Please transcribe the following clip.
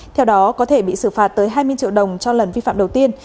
theo đó có thể bị xử phạt tới hai mươi triệu đồng cho lần vi phạm đầu tiên